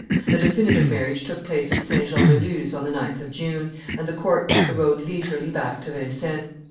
The definitive marriage took place at Saint Jean de Luz on the 9th of June, and the court took the road leisurely back to Vincennes.